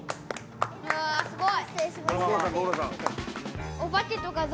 うわあすごい。